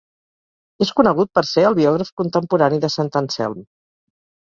És conegut per ser el biògraf contemporani de Sant Anselm.